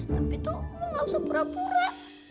tapi tuh lo nggak usah pura pura